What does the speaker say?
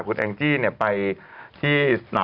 คุณแองจี้เนี่ยไปที่